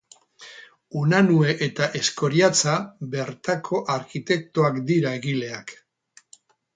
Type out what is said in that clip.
Unanue eta Eskoriatza bertako arkitektoak dira egileak.